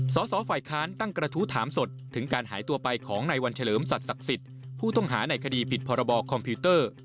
สสฝ่ายค้านตั้งกระทู้ถามสดถึงการหายตัวไปของในวันเฉลิมสัตวศักดิ์สิทธิ์ผู้ต้องหาในคดีผิดพรบคอมพิวเตอร์